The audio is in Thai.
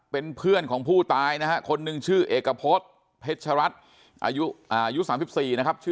เป็นเพื่อนของผู้ตายนะฮะคนหนึ่งชื่อเอกพฤษเพชรัตน์อายุ๓๔นะครับชื่อ